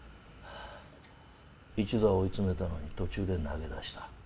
一度は追い詰めたのに途中で投げ出した。